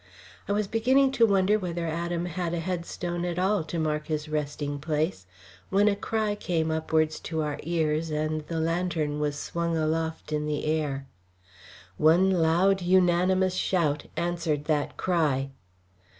I was beginning to wonder whether Adam had a headstone at all to mark his resting place, when a cry came upwards to our ears and the lantern was swung aloft in the air. One loud, unanimous shout answered that cry.